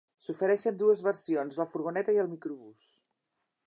S'ofereixen dues versions, la furgoneta i el microbús.